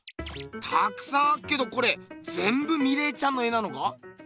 たくさんあっけどこれぜんぶミレーちゃんの絵なのか？